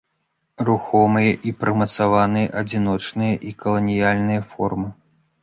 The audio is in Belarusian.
Рухомыя і прымацаваныя, адзіночныя і каланіяльныя формы.